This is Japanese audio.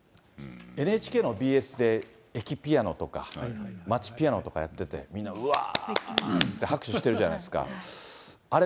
ＮＨＫのＢＳで、駅ピアノとか、街ピアノとかやってて、みんな、うわーって拍手してるじゃないですか。